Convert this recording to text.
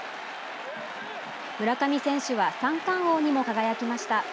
村上選手は三冠王にも輝きました。